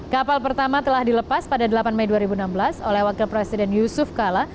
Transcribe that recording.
kapal pertama telah dilepas pada delapan mei dua ribu enam belas oleh wakil presiden yusuf kala